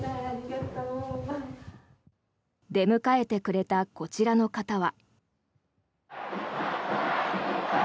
出迎えてくれたこちらの方は。